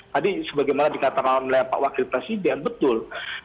tadi sebagaimana dikatakan oleh pak wakil presiden betul